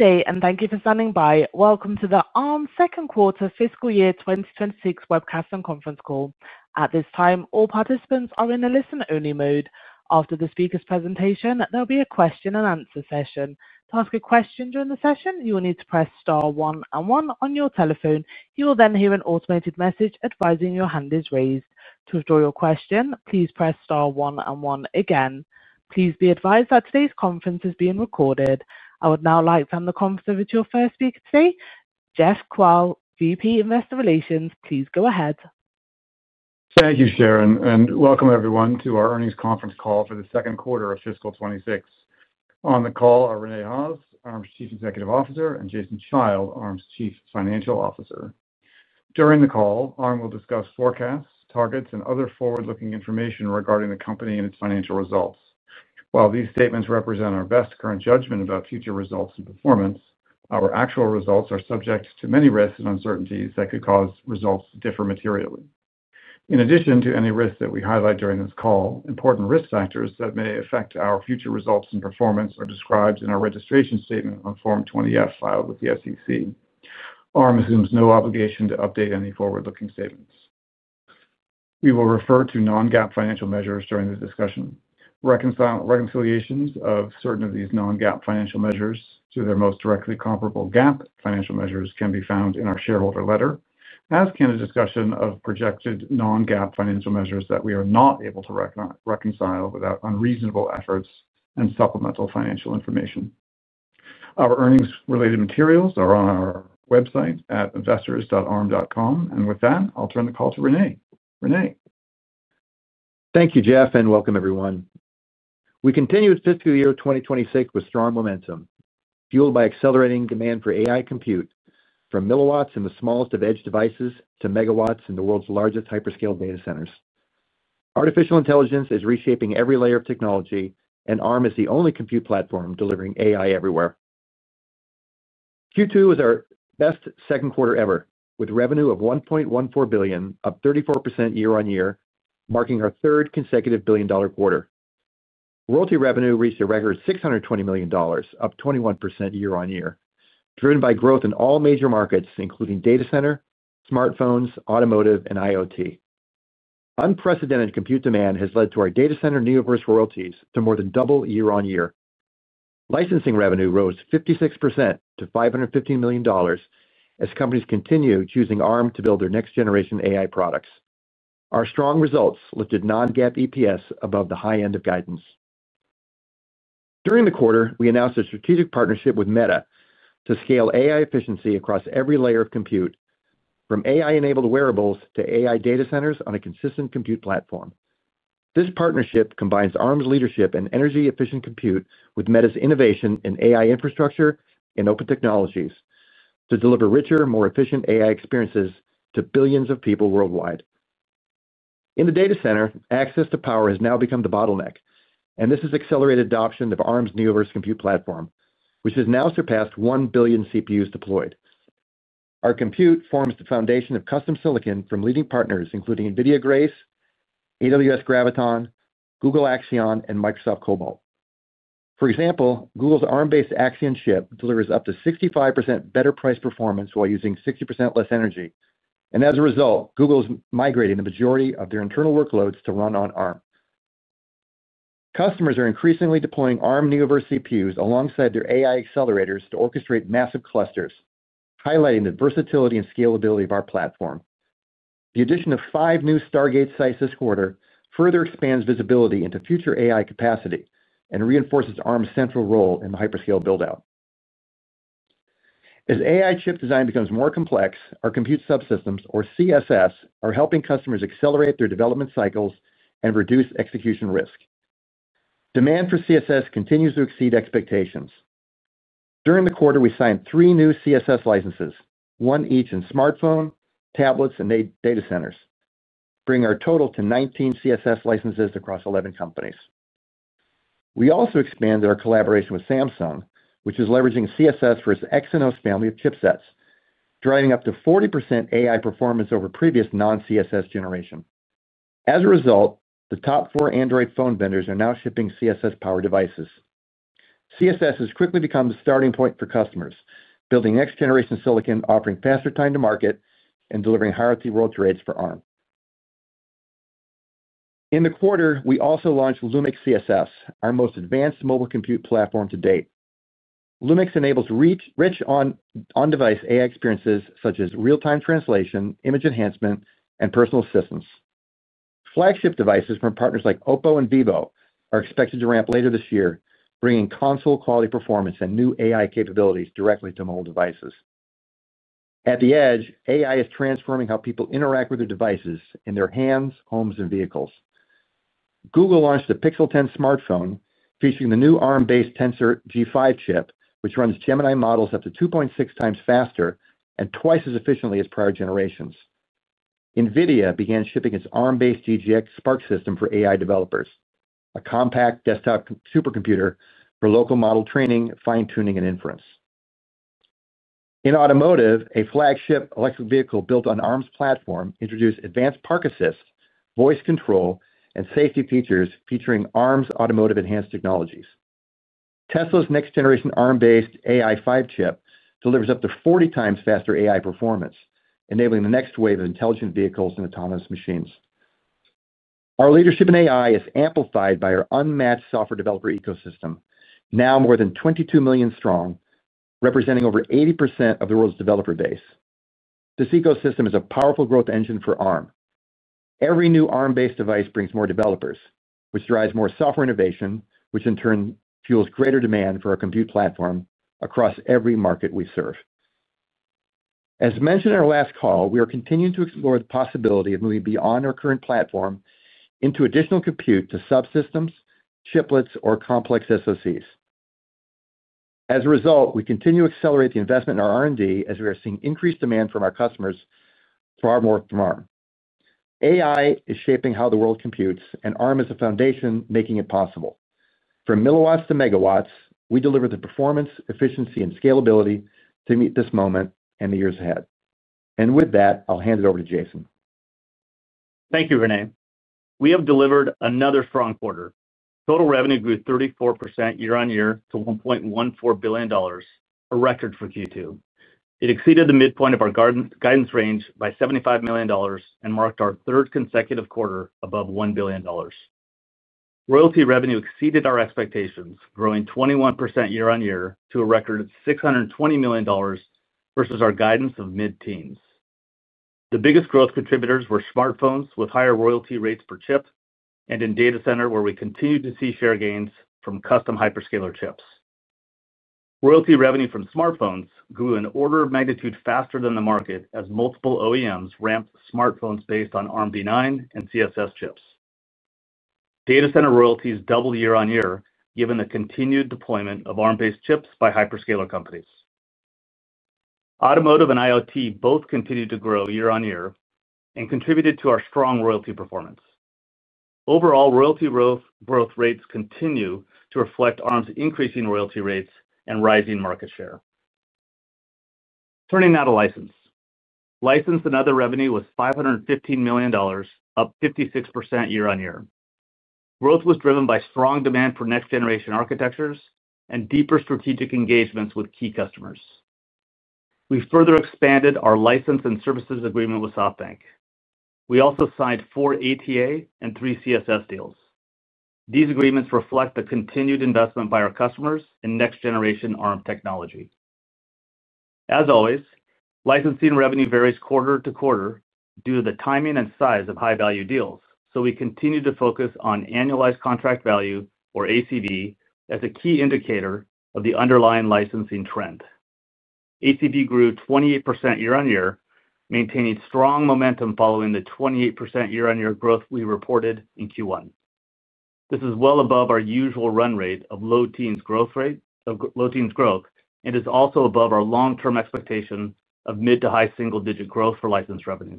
Good day, and thank you for standing by. Welcome to the Arm second quarter fiscal year 2026 webcast and conference call. At this time, all participants are in a listen-only mode. After the speaker's presentation, there'll be a question-and-answer session. To ask a question during the session, you will need to press star one and one on your telephone. You will then hear an automated message advising your hand is raised. To withdraw your question, please press star one and one again. Please be advised that today's conference is being recorded. I would now like to hand the conference over to your first speaker today, Jeff Kvaal, VP Investor Relations. Please go ahead. Thank you, Sharon, and welcome everyone to our earnings conference call for the second quarter of fiscal 2026. On the call are Rene Haas, Arm's Chief Executive Officer, and Jason Child, Arm's Chief Financial Officer. During the call, Arm will discuss forecasts, targets, and other forward-looking information regarding the company and its financial results. While these statements represent our best current judgment about future results and performance, our actual results are subject to many risks and uncertainties that could cause results to differ materially. In addition to any risks that we highlight during this call, important risk factors that may affect our future results and performance are described in our registration statement on Form 20-F filed with the SEC. Arm assumes no obligation to update any forward-looking statements. We will refer to non-GAAP financial measures during the discussion. Reconciliations of certain of these non-GAAP financial measures to their most directly comparable GAAP financial measures can be found in our shareholder letter, as can a discussion of projected non-GAAP financial measures that we are not able to reconcile without unreasonable efforts and supplemental financial information. Our earnings-related materials are on our website at investors.arm.com, and with that, I'll turn the call to Rene. Rene. Thank you, Jeff, and welcome everyone. We continue with fiscal year 2026 with strong momentum, fueled by accelerating demand for AI compute, from milliwatts in the smallest of edge devices to megawatts in the world's largest hyperscale data centers. Artificial intelligence is reshaping every layer of technology, and Arm is the only compute platform delivering AI everywhere. Q2 was our best second quarter ever, with revenue of $1.14 billion, up 34% year-on-year, marking our third consecutive billion-dollar quarter. Royalty revenue reached a record $620 million, up 21% year-on-year, driven by growth in all major markets, including data center, smartphones, automotive, and IoT. Unprecedented compute demand has led to our data center Neoverse royalties to more than double year-on-year. Licensing revenue rose 56% to $515 million. As companies continue choosing Arm to build their next-generation AI products, our strong results lifted non-GAAP EPS above the high end of guidance. During the quarter, we announced a strategic partnership with Meta to scale AI efficiency across every layer of compute, from AI-enabled wearables to AI data centers on a consistent compute platform. This partnership combines Arm's leadership in energy-efficient compute with Meta's innovation in AI infrastructure and open technologies to deliver richer, more efficient AI experiences to billions of people worldwide. In the data center, access to power has now become the bottleneck, and this has accelerated the adoption of Arm's Neoverse Compute platform, which has now surpassed 1 billion CPUs deployed. Our compute forms the foundation of custom silicon from leading partners, including NVIDIA Grace, AWS Graviton, Google Axion, and Microsoft Cobalt. For example, Google's Arm-based Axion chip delivers up to 65% better price performance while using 60% less energy. And as a result, Google is migrating the majority of their internal workloads to run on Arm. Customers are increasingly deploying Arm Neoverse CPUs alongside their AI accelerators to orchestrate massive clusters, highlighting the versatility and scalability of our platform. The addition of five new Stargates sites this quarter further expands visibility into future AI capacity and reinforces Arm's central role in the hyperscale buildout. As AI chip design becomes more complex, our compute subsystems, or CSS, are helping customers accelerate their development cycles and reduce execution risk. Demand for CSS continues to exceed expectations. During the quarter, we signed three new CSS licenses, one each in smartphones, tablets, and data centers, bringing our total to 19 CSS licenses across 11 companies. We also expanded our collaboration with Samsung, which is leveraging CSS for its Exynos family of chipsets, driving up to 40% AI performance over previous non-CSS generation. As a result, the top four Android phone vendors are now shipping CSS-powered devices. CSS has quickly become the starting point for customers, building next-generation silicon, offering faster time to market, and delivering higher-than-world trades for Arm. In the quarter, we also launched Lumex CSS, our most advanced mobile compute platform to date. Lumex enables rich on-device AI experiences such as real-time translation, image enhancement, and personal assistance. Flagship devices from partners like Oppo and Vivo are expected to ramp later this year, bringing console-quality performance and new AI capabilities directly to mobile devices. At the edge, AI is transforming how people interact with their devices in their hands, homes, and vehicles. Google launched the Pixel 10 smartphone, featuring the new Arm-based Tensor G5 chip, which runs Gemini models up to 2.6x faster and twice as efficiently as prior generations. NVIDIA began shipping its Arm-based DGX Spark system for AI developers, a compact desktop supercomputer for local model training, fine-tuning, and inference. In automotive, a flagship electric vehicle built on Arm's platform introduced advanced park assist, voice control, and safety features featuring Arm's automotive-enhanced technologies. Tesla's next-generation Arm-based AI5 chip delivers up to 40x faster AI performance, enabling the next wave of intelligent vehicles and autonomous machines. Our leadership in AI is amplified by our unmatched software developer ecosystem, now more than 22 million strong, representing over 80% of the world's developer base. This ecosystem is a powerful growth engine for Arm. Every new Arm-based device brings more developers, which drives more software innovation, which in turn fuels greater demand for our compute platform across every market we serve. As mentioned in our last call, we are continuing to explore the possibility of moving beyond our current platform into additional compute to subsystems, chiplets, or complex SOCs. As a result, we continue to accelerate the investment in our R&D as we are seeing increased demand from our customers for our work from Arm. AI is shaping how the world computes, and Arm is the foundation making it possible. From milliwatts to megawatts, we deliver the performance, efficiency, and scalability to meet this moment and the years ahead. And with that, I'll hand it over to Jason. Thank you, Rene. We have delivered another strong quarter. Total revenue grew 34% year-on-year to $1.14 billion, a record for Q2. It exceeded the midpoint of our guidance range by $75 million and marked our third consecutive quarter above $1 billion. Royalty revenue exceeded our expectations, growing 21% year-on-year to a record of $620 million. Versus our guidance of mid-teens. The biggest growth contributors were smartphones with higher royalty rates per chip and in data center, where we continued to see share gains from custom hyperscaler chips. Royalty revenue from smartphones grew an order of magnitude faster than the market as multiple OEMs ramped smartphones based on Armv9 and CSS chips. Data center royalties doubled year-on-year, given the continued deployment of Arm-based chips by hyperscaler companies. Automotive and IoT both continued to grow year-on-year and contributed to our strong royalty performance. Overall, royalty growth rates continue to reflect Arm's increasing royalty rates and rising market share. Turning now to license. License and other revenue was $515 million, up 56% year-on-year. Growth was driven by strong demand for next-generation architectures and deeper strategic engagements with key customers. We further expanded our license and services agreement with SoftBank. We also signed four ATA and three CSS deals. These agreements reflect the continued investment by our customers in next-generation Arm technology. As always, licensing revenue varies quarter to quarter due to the timing and size of high-value deals, so we continue to focus on annualized contract value, or ACV, as a key indicator of the underlying licensing trend. ACV grew 28% year-on-year, maintaining strong momentum following the 28% year-on-year growth we reported in Q1. This is well above our usual run rate of low-teens growth. And is also above our long-term expectation of mid to high single-digit growth for license revenue.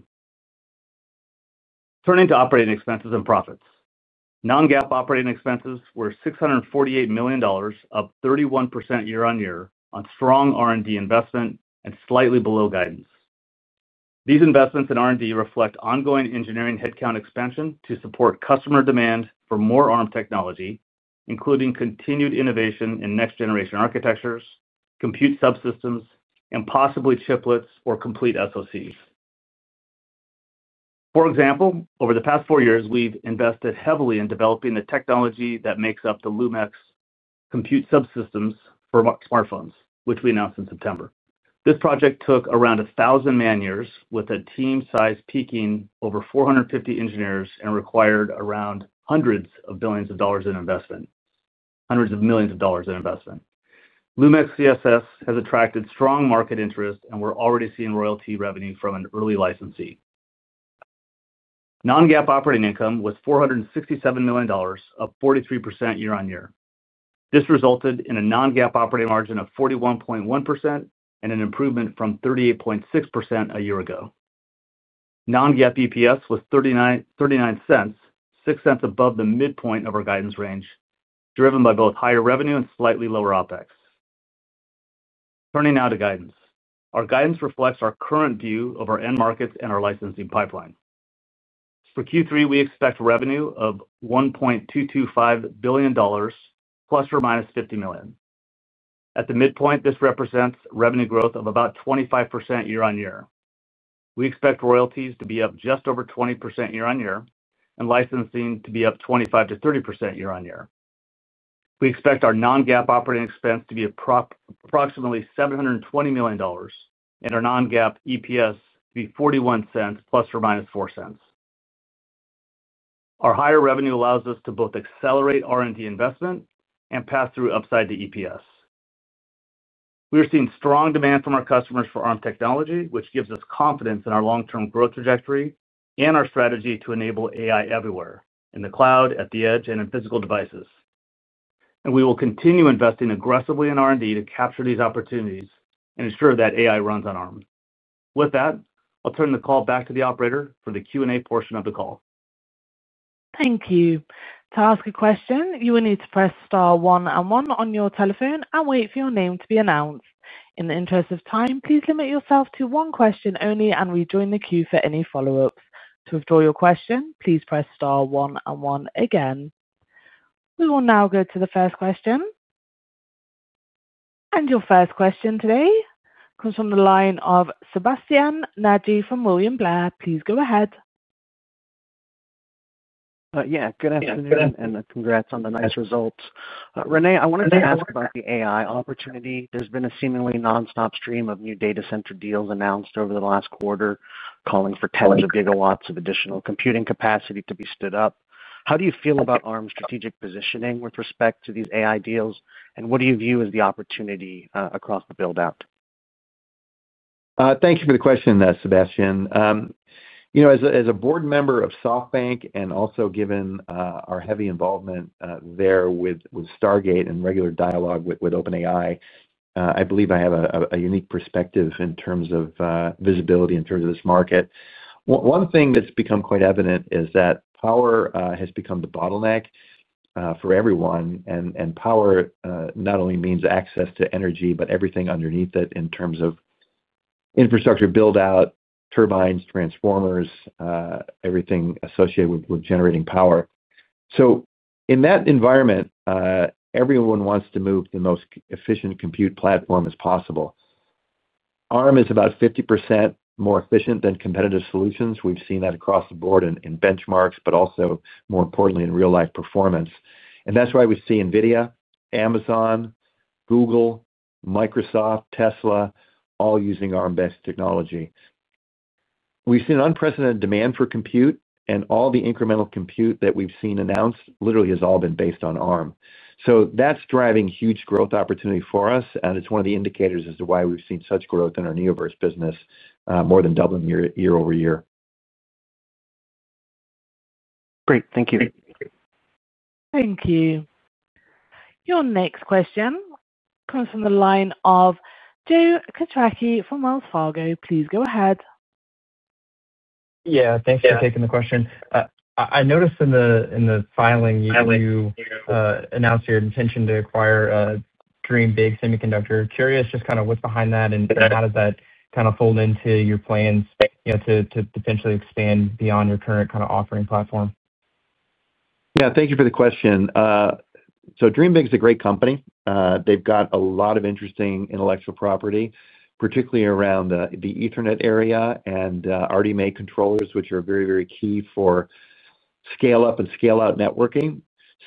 Turning to operating expenses and profits. Non-GAAP operating expenses were $648 million, up 31% year-on-year on strong R&D investment and slightly below guidance. These investments in R&D reflect ongoing engineering headcount expansion to support customer demand for more Arm technology, including continued innovation in next-generation architectures, compute subsystems, and possibly chiplets or complete SOCs. For example, over the past four years, we've invested heavily in developing the technology that makes up the Lumex compute subsystems for smartphones, which we announced in September. This project took around 1,000 man-years with a team size peaking over 450 engineers and required around hundreds of billions of dollars in investment, hundreds of millions of dollars in investment. Lumex CSS has attracted strong market interest, and we're already seeing royalty revenue from an early licensee. Non-GAAP operating income was $467 million, up 43% year-on-year. This resulted in a non-GAAP operating margin of 41.1% and an improvement from 38.6% a year ago. Non-GAAP EPS was $0.39, 6 cents above the midpoint of our guidance range, driven by both higher revenue and slightly lower OpEx. Turning now to guidance. Our guidance reflects our current view of our end markets and our licensing pipeline. For Q3, we expect revenue of $1.225 billion, ±$50 million. At the midpoint, this represents revenue growth of about 25% year-on-year. We expect royalties to be up just over 20% year-on-year and licensing to be up 25%-30% year-on-year. We expect our non-GAAP operating expense to be approximately $720 million and our non-GAAP EPS to be $0.41, ±$0.04. Our higher revenue allows us to both accelerate R&D investment and pass through upside to EPS. We are seeing strong demand from our customers for Arm technology, which gives us confidence in our long-term growth trajectory and our strategy to enable AI everywhere, in the cloud, at the edge, and in physical devices. And we will continue investing aggressively in R&D to capture these opportunities and ensure that AI runs on Arm. With that, I'll turn the call back to the operator for the Q&A portion of the call. Thank you. To ask a question, you will need to press star one and one on your telephone and wait for your name to be announced. In the interest of time, please limit yourself to one question only and rejoin the queue for any follow-ups. To withdraw your question, please press star one and one again. We will now go to the first question. And your first question today comes from the line of Sebastien Naji from William Blair. Please go ahead. Yeah, good afternoon and congrats on the nice results. Rene, I wanted to ask about the AI opportunity. There's been a seemingly nonstop stream of new data center deals announced over the last quarter, calling for tens of gigawatts of additional computing capacity to be stood up. How do you feel about Arm's strategic positioning with respect to these AI deals, and what do you view as the opportunity across the buildout? Thank you for the question, Sebastien. As a board member of SoftBank and also given our heavy involvement there with Stargate and regular dialogue with OpenAI, I believe I have a unique perspective in terms of visibility in terms of this market. One thing that's become quite evident is that power has become the bottleneck for everyone. And power not only means access to energy, but everything underneath it in terms of. Infrastructure, buildout, turbines, transformers, everything associated with generating power. So in that environment. Everyone wants to move the most efficient compute platform as possible. Arm is about 50% more efficient than competitive solutions. We've seen that across the board in benchmarks, but also, more importantly, in real-life performance. And that's why we see NVIDIA, Amazon, Google, Microsoft, Tesla, all using Arm-based technology. We've seen an unprecedented demand for compute, and all the incremental compute that we've seen announced literally has all been based on Arm. So that's driving huge growth opportunity for us, and it's one of the indicators as to why we've seen such growth in our Neoverse business, more than doubling year-over-year. Great. Thank you. Thank you. Your next question comes from the line of Joe Quatrochi from Wells Fargo. Please go ahead. Yeah, thanks for taking the question. I noticed in the filing you. Announced your intention to acquire. DreamBig Semiconductor. Curious just kind of what's behind that and how does that kind of fold into your plans to potentially expand beyond your current kind of offering platform? Yeah, thank you for the question. So DreamBig is a great company. They've got a lot of interesting intellectual property, particularly around the Ethernet area and RDMA controllers, which are very, very key for. Scale-up and scale-out networking.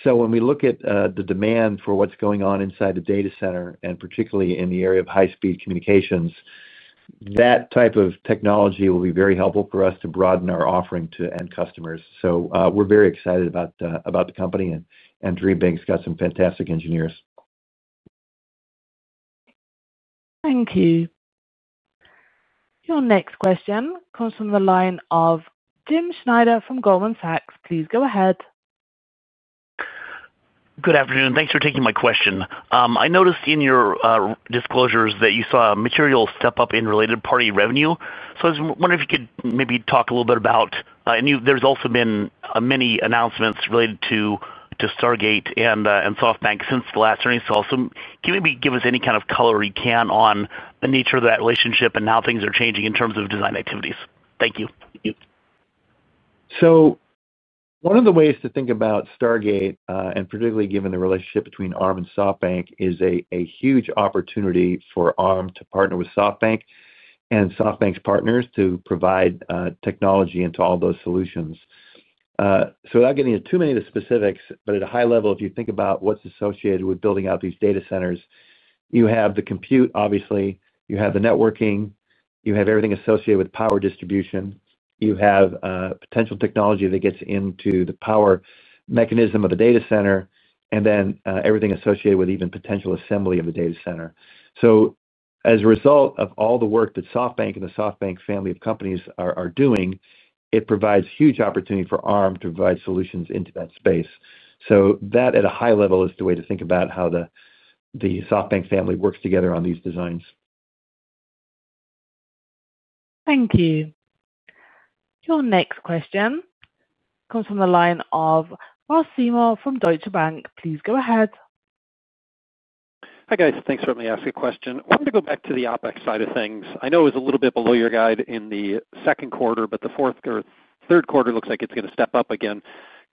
So when we look at the demand for what's going on inside the data center, and particularly in the area of high-speed communications. That type of technology will be very helpful for us to broaden our offering to end customers. So we're very excited about the company, and DreamBig's got some fantastic engineers. Thank you. Your next question comes from the line of Jim Schneider from Goldman Sachs. Please go ahead. Good afternoon. Thanks for taking my question. I noticed in your disclosures that you saw material step up in related party revenue. So I was wondering if you could maybe talk a little bit about. There's also been many announcements related to. Stargate and SoftBank since the last earnings call. So can you maybe give us any kind of color you can on the nature of that relationship and how things are changing in terms of design activities? Thank you. So. One of the ways to think about Stargate, and particularly given the relationship between Arm and SoftBank, is a huge opportunity for Arm to partner with SoftBank and SoftBank's partners to provide technology into all those solutions. So without getting into too many of the specifics, but at a high level, if you think about what's associated with building out these data centers, you have the compute, obviously. You have the networking. You have everything associated with power distribution. You have potential technology that gets into the power mechanism of the data center, and then everything associated with even potential assembly of the data center. So as a result of all the work that SoftBank and the SoftBank family of companies are doing, it provides huge opportunity for Arm to provide solutions into that space. So that, at a high level, is the way to think about how the SoftBank family works together on these designs. Thank you. Your next question. Comes from the line of Ross Seymore from Deutsche Bank. Please go ahead. Hi guys. Thanks for letting me ask a question. I wanted to go back to the OpEx side of things. I know it was a little bit below your guide in the second quarter, but the third quarter looks like it's going to step up again.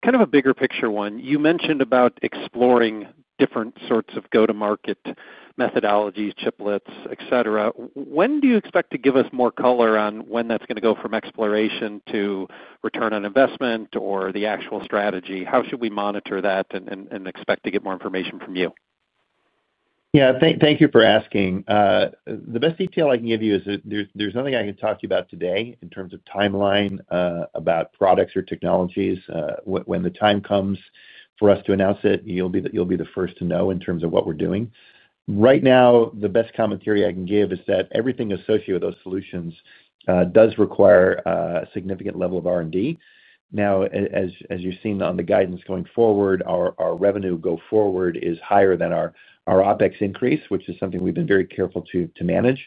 Kind of a bigger picture one. You mentioned about exploring different sorts of go-to-market methodologies, chiplets, etc. When do you expect to give us more color on when that's going to go from exploration to return on investment or the actual strategy? How should we monitor that and expect to get more information from you? Yeah, thank you for asking. The best detail I can give you is that there's nothing I can talk to you about today in terms of timeline about products or technologies. When the time comes for us to announce it, you'll be the first to know in terms of what we're doing. Right now, the best commentary I can give is that everything associated with those solutions does require a significant level of R&D. Now, as you've seen on the guidance going forward, our revenue go forward is higher than our OpEx increase, which is something we've been very careful to manage.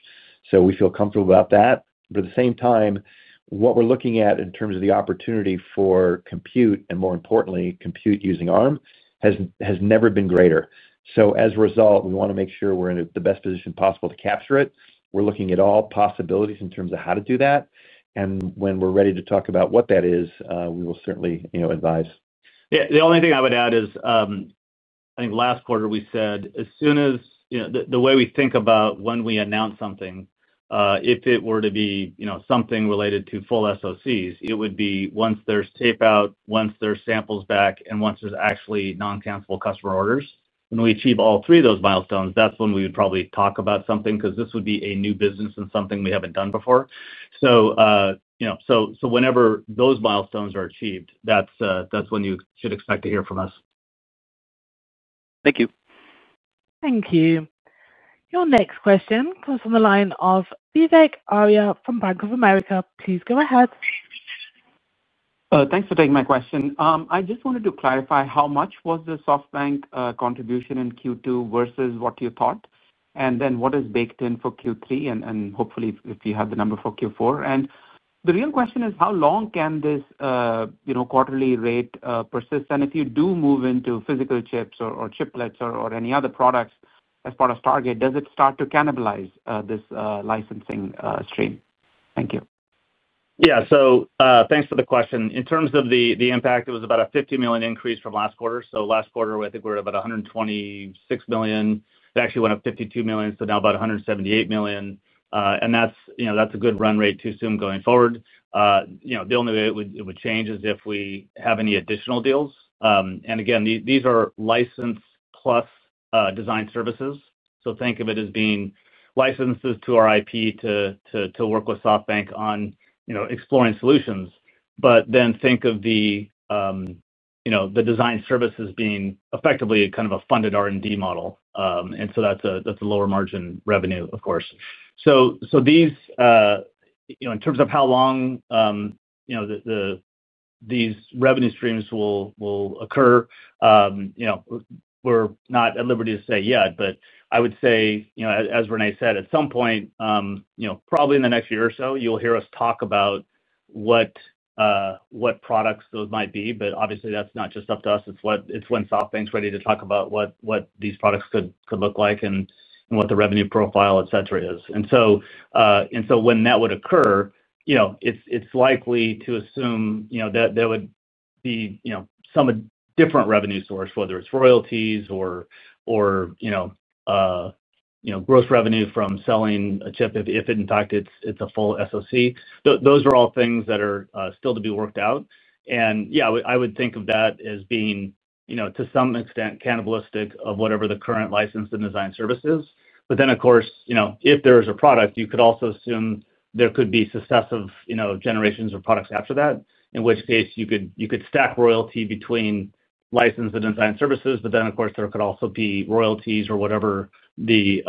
So we feel comfortable about that. But at the same time, what we're looking at in terms of the opportunity for compute, and more importantly, compute using Arm, has never been greater. So as a result, we want to make sure we're in the best position possible to capture it. We're looking at all possibilities in terms of how to do that. And when we're ready to talk about what that is, we will certainly advise. Yeah. The only thing I would add is. I think last quarter we said, as soon as the way we think about when we announce something, if it were to be something related to full SOCs, it would be once there's tape out, once there's samples back, and once there's actually non-cancelable customer orders. When we achieve all three of those milestones, that's when we would probably talk about something because this would be a new business and something we haven't done before. So. Whenever those milestones are achieved, that's when you should expect to hear from us. Thank you. Thank you. Your next question comes from the line of Vivek Arya from Bank of America. Please go ahead. Thanks for taking my question. I just wanted to clarify how much was the SoftBank contribution in Q2 versus what you thought, and then what is baked in for Q3, and hopefully if you have the number for Q4. And the real question is how long can this quarterly rate persist? And if you do move into physical chips or chiplets or any other products as part of Stargate, does it start to cannibalize this licensing stream? Thank you. Yeah. So thanks for the question. In terms of the impact, it was about a 50 million increase from last quarter. So last quarter, I think we were at about 126 million. It actually went up 52 million, so now about 178 million. And that's a good run rate to assume going forward. The only way it would change is if we have any additional deals. And again, these are license plus design services. So think of it as being licenses to our IP to work with SoftBank on exploring solutions, but then think of the. Design services being effectively kind of a funded R&D model. And so that's a lower margin revenue, of course. So. In terms of how long. These revenue streams will occur. We're not at liberty to say yet, but I would say, as Rene said, at some point. Probably in the next year or so, you'll hear us talk about. What. Products those might be. But obviously, that's not just up to us. It's when SoftBank's ready to talk about what these products could look like and what the revenue profile, etc., is. And so. When that would occur. It's likely to assume that there would be some different revenue source, whether it's royalties or. Gross revenue from selling a chip, if in fact it's a full SOC. Those are all things that are still to be worked out. And yeah, I would think of that as being, to some extent, cannibalistic of whatever the current license and design services. But then, of course, if there is a product, you could also assume there could be successive generations of products after that, in which case you could stack royalty between. License and design services, but then, of course, there could also be royalties or whatever the.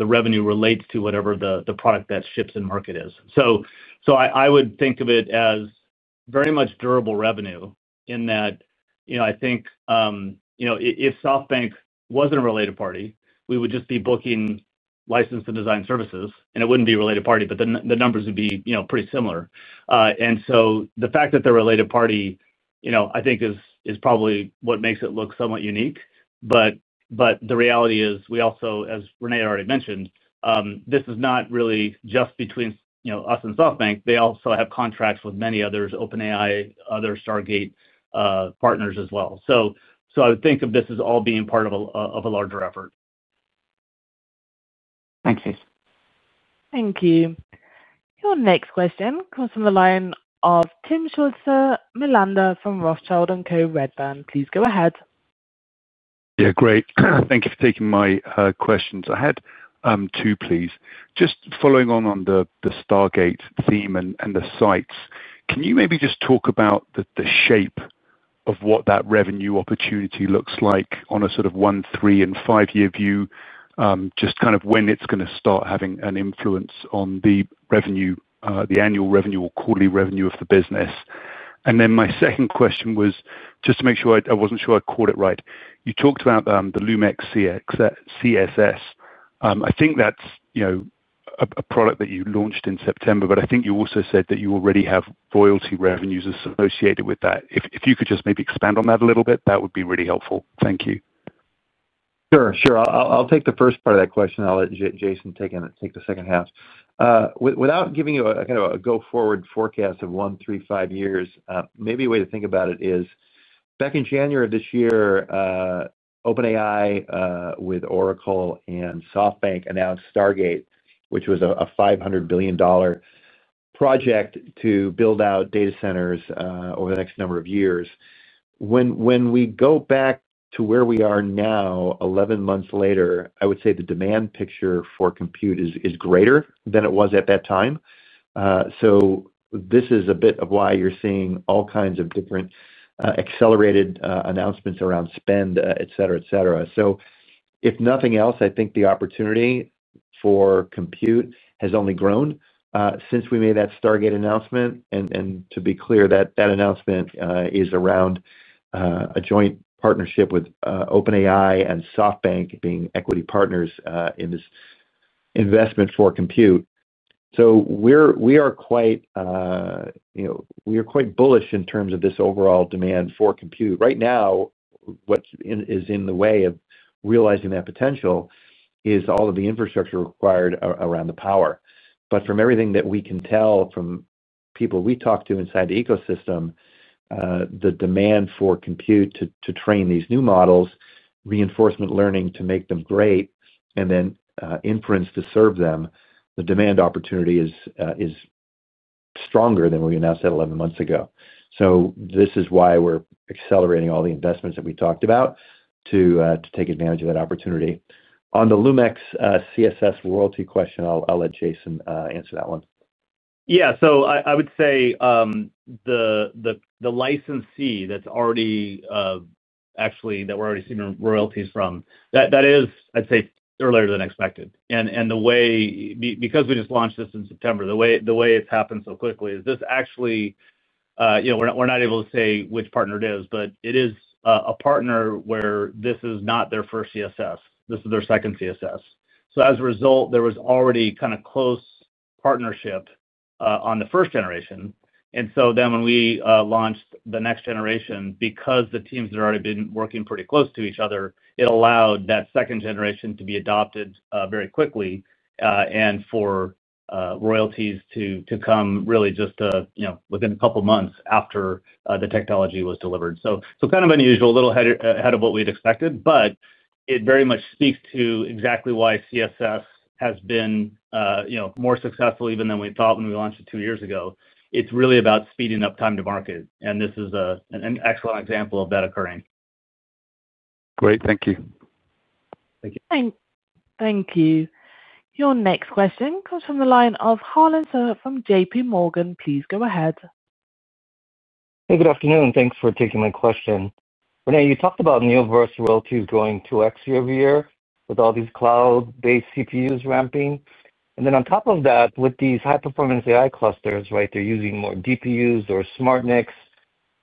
Revenue relates to whatever the product that ships and market is. So I would think of it as very much durable revenue in that I think. If SoftBank wasn't a related party, we would just be booking license and design services, and it wouldn't be a related party, but the numbers would be pretty similar. And so the fact that they're a related party, I think, is probably what makes it look somewhat unique. But the reality is, we also, as Rene already mentioned, this is not really just between us and SoftBank. They also have contracts with many others, OpenAI, other Stargate partners as well. So I would think of this as all being part of a larger effort. Thank you. Thank you. Your next question comes from the line of Timm Schulze-Milander from Rothschild and Co. Redburn. Please go ahead. Yeah, great. Thank you for taking my questions. I had two, please. Just following on the Stargate theme and the sites, can you maybe just talk about the shape of what that revenue opportunity looks like on a sort of one, three, and five-year view, just kind of when it's going to start having an influence on the annual revenue or quarterly revenue of the business? And then my second question was just to make sure I wasn't sure I caught it right. You talked about the Lumex CSS. I think that's. A product that you launched in September, but I think you also said that you already have royalty revenues associated with that. If you could just maybe expand on that a little bit, that would be really helpful. Thank you. Sure. Sure. I'll take the first part of that question. I'll let Jason take the second half. Without giving you a kind of a go-forward forecast of one, three, five years, maybe a way to think about it is back in January of this year. OpenAI with Oracle and SoftBank announced Stargate, which was a $500 billion. Project to build out data centers over the next number of years. When we go back to where we are now, 11 months later, I would say the demand picture for compute is greater than it was at that time. So this is a bit of why you're seeing all kinds of different. Accelerated announcements around spend, etc., etc. So if nothing else, I think the opportunity for compute has only grown since we made that Stargate announcement. And to be clear, that announcement is around. A joint partnership with OpenAI and SoftBank being equity partners in this investment for compute. So we are quite. Bullish in terms of this overall demand for compute. Right now. What is in the way of realizing that potential is all of the infrastructure required around the power. But from everything that we can tell from people we talk to inside the ecosystem, the demand for compute to train these new models, reinforcement learning to make them great, and then inference to serve them, the demand opportunity is. Stronger than we announced at 11 months ago. So this is why we're accelerating all the investments that we talked about to take advantage of that opportunity. On the Lumex CSS royalty question, I'll let Jason answer that one. Yeah. So I would say. The licensee that's already. Actually that we're already seeing royalties from, that is, I'd say, earlier than expected. And the way, because we just launched this in September, the way it's happened so quickly is this actually. We're not able to say which partner it is, but it is a partner where this is not their first CSS. This is their second CSS. So as a result, there was already kind of close partnership on the first generation. And so then when we launched the next generation, because the teams had already been working pretty close to each other, it allowed that second generation to be adopted very quickly and for. Royalties to come really just within a couple of months after the technology was delivered. So kind of unusual, a little ahead of what we'd expected, but it very much speaks to exactly why CSS has been. More successful even than we thought when we launched it two years ago. It's really about speeding up time to market. And this is an excellent example of that occurring. Great. Thank you. Thank you. Thank you. Your next question comes from the line of Harlan Sur from JPMorgan. Please go ahead. Hey, good afternoon. Thanks for taking my question. Rene, you talked about Neoverse royalties going 2x year-over-year with all these cloud-based CPUs ramping. And then on top of that, with these high-performance AI clusters, right, they're using more GPUs or SmartNICs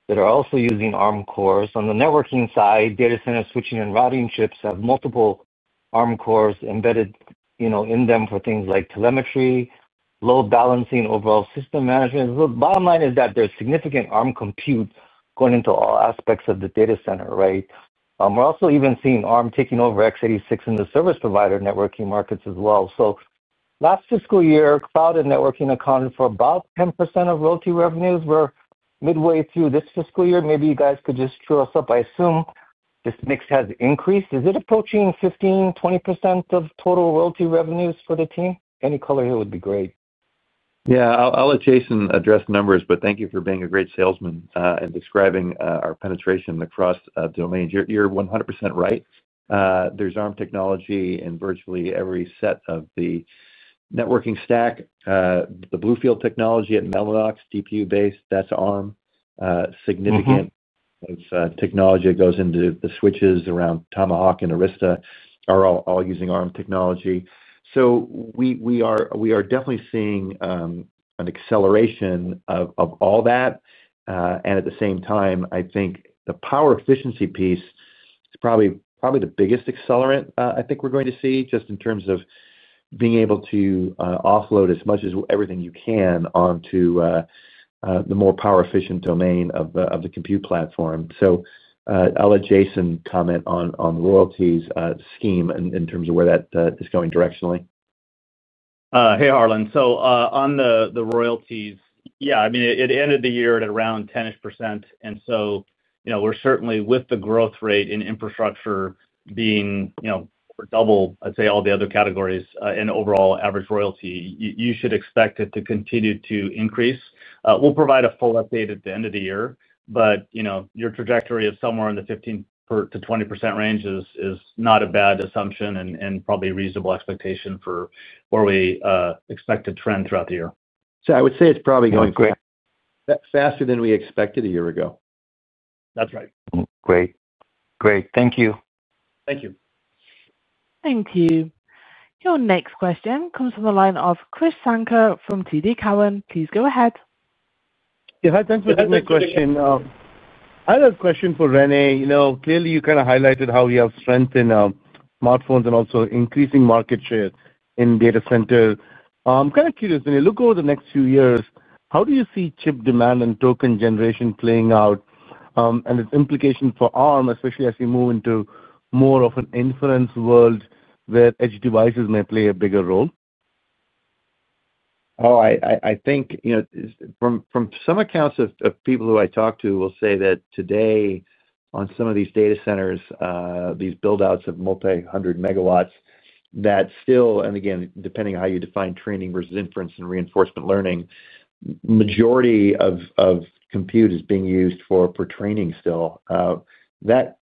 that are also using Arm Cores. On the networking side, data center switching and routing chips have multiple Arm Cores embedded in them for things like telemetry, load balancing, overall system management. The bottom line is that there's significant Arm compute going into all aspects of the data center, right? We're also even seeing Arm taking over x86 in the service provider networking markets as well. So last fiscal year, cloud and networking accounted for about 10% of royalty revenues. We're midway through this fiscal year. Maybe you guys could just cheer us up, I assume. This mix has increased. Is it approaching 15, 20 percent of total royalty revenues for the team? Any color here would be great. Yeah. I'll let Jason address numbers, but thank you for being a great salesman and describing our penetration across domains. You're 100% right. There's Arm technology in virtually every set of the networking stack. The BlueField technology at Mellanox, GPU-based, that's Arm. Significant technology that goes into the switches around Tomahawk and Arista are all using Arm technology. So we are definitely seeing. An acceleration of all that. And at the same time, I think the power efficiency piece is probably the biggest accelerant I think we're going to see, just in terms of being able to. Offload as much as everything you can onto. The more power-efficient domain of the compute platform. So I'll let Jason comment on the royalties scheme in terms of where that is going directionally. Hey, Harlan. So on the royalties, yeah, I mean, it ended the year at around 10-ish percent. And so we're certainly, with the growth rate in infrastructure being. Double, I'd say, all the other categories in overall average royalty, you should expect it to continue to increase. We'll provide a full update at the end of the year, but your trajectory of somewhere in the 15%-20% range is not a bad assumption and probably a reasonable expectation for where we expect to trend throughout the year. So I would say it's probably going quick. Faster than we expected a year ago. That's right. Great. Great. Thank you. Thank you. Thank you. Your next question comes from the line of Krish Sankar from TD Cowen. Please go ahead. Yeah. Hi, thanks for the question. I have a question for Rene. Clearly, you kind of highlighted how we have strength in smartphones and also increasing market share in data centers. I'm kind of curious, when you look over the next few years, how do you see chip demand and token generation playing out. And its implications for Arm, especially as we move into more of an inference world where edge devices may play a bigger role? Oh, I think. From some accounts of people who I talk to will say that today, on some of these data centers, these buildouts of multi-hundred megawatts, that still, and again, depending on how you define training versus inference and reinforcement learning, the majority of compute is being used for training still.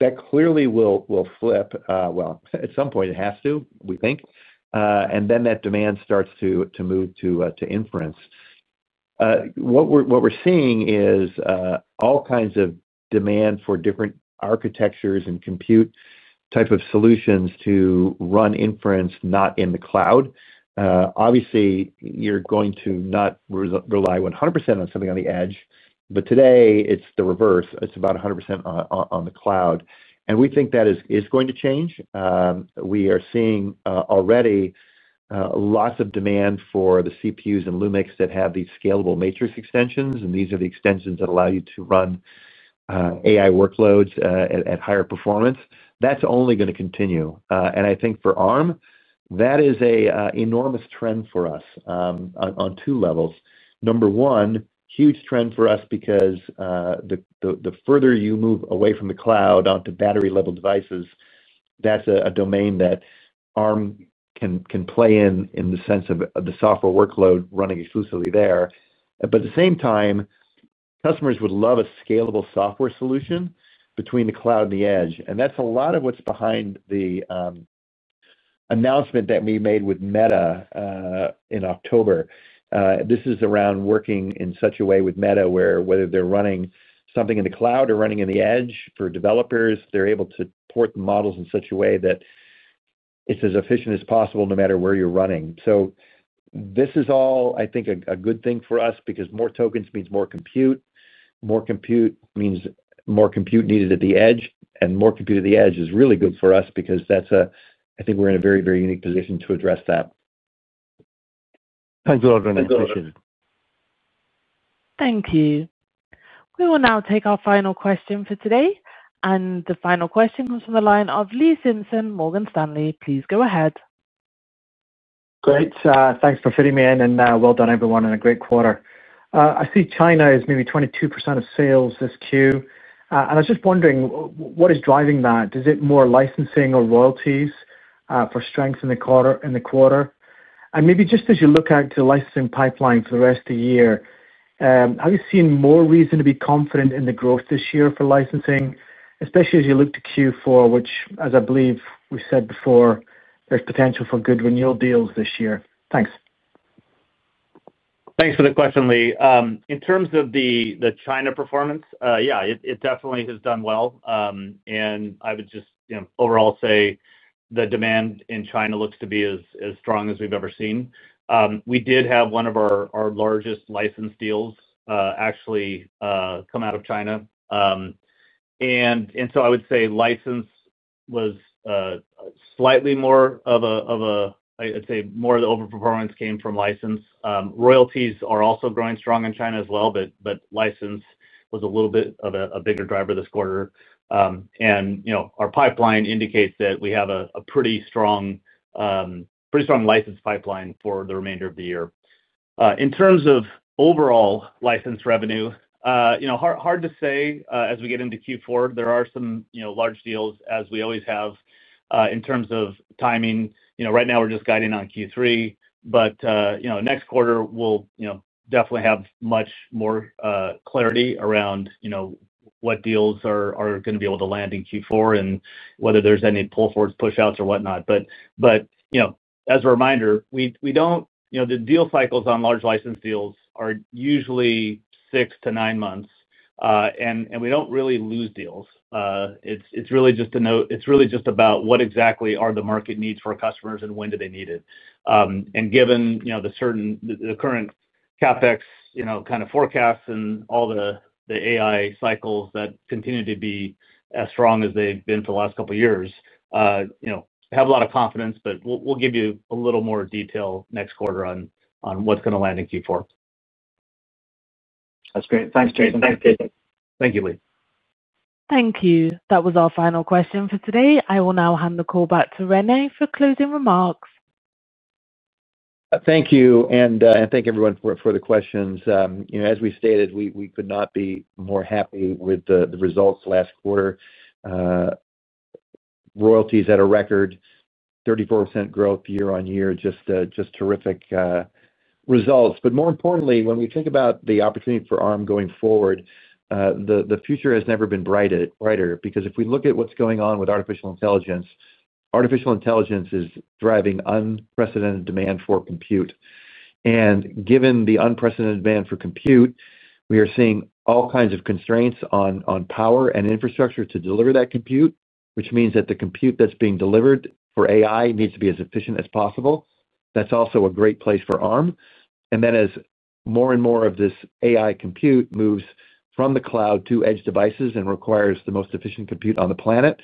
That clearly will flip, well, at some point, it has to, we think. And then that demand starts to move to inference. What we're seeing is. All kinds of demand for different architectures and compute type of solutions to run inference not in the cloud. Obviously, you're going to not rely 100% on something on the edge, but today, it's the reverse. It's about 100% on the cloud. And we think that is going to change. We are seeing already. Lots of demand for the CPUs and Lumex that have these scalable matrix extensions, and these are the extensions that allow you to run. AI workloads at higher performance. That's only going to continue. And I think for Arm, that is an enormous trend for us. On two levels. Number one, huge trend for us because. The further you move away from the cloud onto battery-level devices, that's a domain that. Arm can play in the sense of the software workload running exclusively there. But at the same time, customers would love a scalable software solution between the cloud and the edge. And that's a lot of what's behind the. Announcement that we made with Meta. In October. This is around working in such a way with Meta where whether they're running something in the cloud or running in the edge for developers, they're able to port the models in such a way that. It's as efficient as possible no matter where you're running. So this is all, I think, a good thing for us because more tokens means more compute. More compute means more compute needed at the edge. And more compute at the edge is really good for us because I think we're in a very, very unique position to address that. Thanks a lot for the information. Thank you. We will now take our final question for today. And the final question comes from the line of Lee Simpson, Morgan Stanley. Please go ahead. Great. Thanks for fitting me in. And well done, everyone, and a great quarter. I see China is maybe 22% of sales this Q. And I was just wondering, what is driving that? Is it more licensing or royalties for strength in the quarter? And maybe just as you look out to the licensing pipeline for the rest of the year, have you seen more reason to be confident in the growth this year for licensing, especially as you look to Q4, which, as I believe we said before, there's potential for good renewal deals this year? Thanks. Thanks for the question, Lee. In terms of the China performance, yeah, it definitely has done well. And I would just overall say the demand in China looks to be as strong as we've ever seen. We did have one of our largest license deals actually come out of China. And so I would say license was. Slightly more of a, I'd say, more of the overperformance came from license. Royalties are also growing strong in China as well, but license was a little bit of a bigger driver this quarter. And our pipeline indicates that we have a pretty strong. License pipeline for the remainder of the year. In terms of overall license revenue, hard to say as we get into Q4. There are some large deals, as we always have, in terms of timing. Right now, we're just guiding on Q3, but next quarter, we'll definitely have much more clarity around. What deals are going to be able to land in Q4 and whether there's any pull forwards, push outs, or whatnot. But. As a reminder, we don't—the deal cycles on large license deals are usually six to nine months, and we don't really lose deals. It's really just a note; it's really just about what exactly are the market needs for our customers and when do they need it. And given the current CapEx kind of forecasts and all the AI cycles that continue to be as strong as they've been for the last couple of years. I have a lot of confidence, but we'll give you a little more detail next quarter on what's going to land in Q4. That's great. Thanks, Jason. Thanks, Jason. Thank you, Lee. Thank you. That was our final question for today. I will now hand the call back to Rene for closing remarks. Thank you. And thank everyone for the questions. As we stated, we could not be more happy with the results last quarter. Royalties at a record. 34% growth year-on-year, just terrific. Results. But more importantly, when we think about the opportunity for Arm going forward. The future has never been brighter because if we look at what's going on with artificial intelligence, artificial intelligence is driving unprecedented demand for compute. And given the unprecedented demand for compute, we are seeing all kinds of constraints on power and infrastructure to deliver that compute, which means that the compute that's being delivered for AI needs to be as efficient as possible. That's also a great place for Arm. And then as more and more of this AI compute moves from the cloud to edge devices and requires the most efficient compute on the planet,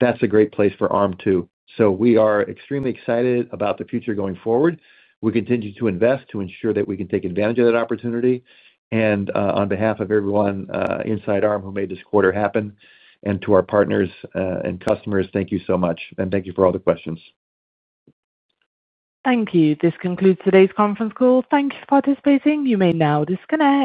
that's a great place for Arm too. So we are extremely excited about the future going forward. We continue to invest to ensure that we can take advantage of that opportunity. And on behalf of everyone inside Arm who made this quarter happen and to our partners and customers, thank you so much. And thank you for all the questions. Thank you. This concludes today's conference call. Thank you for participating. You may now disconnect.